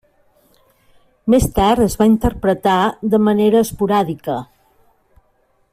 Més tard es va interpretar de manera esporàdica.